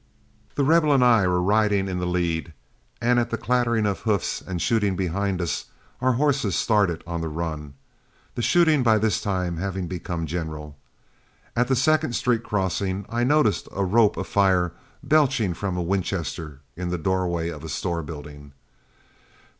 The Rebel and I were riding in the lead, and at the clattering of hoofs and shooting behind us, our horses started on the run, the shooting by this time having become general. At the second street crossing, I noticed a rope of fire belching from a Winchester in the doorway of a store building.